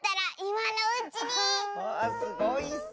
わあすごいッス！